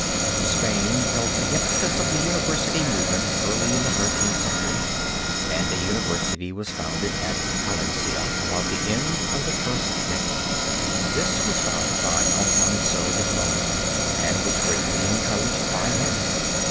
Spain felt the impetus of the university movement early in the Thirteenth Century and a university was founded at Palencia about the end of the first decade. This was founded by Alfonso XII. and was greatly encouraged by him.